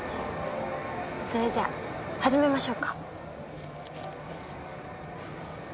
それじゃ始めましょうか。